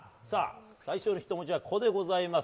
最初の１文字は「こ」でございます。